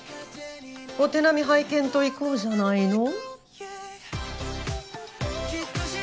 お手並み拝見といこうじゃないの。